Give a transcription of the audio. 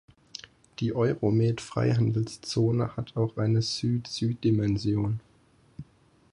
Die Euromed-Freihandelszone hat auch eine Süd-Süd-Dimension.